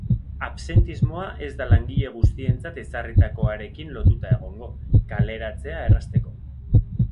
Absentismoa ez da langile guztientzat ezarritakoarekin lotuta egongo, kaleratzea errazteko.